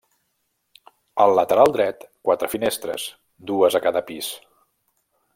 Al lateral dret, quatre finestres, dues a cada pis.